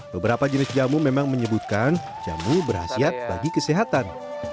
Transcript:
beberapa jenis jamu memang menyebutkan jamu berhasil bagi kesehatan